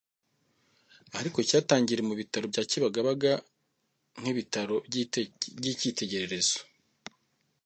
ariko cyatangiriye mu bitaro bya Kibagabaga nk’ibitaro by’icyitegererezo